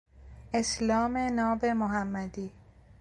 اسلام ناب محمدی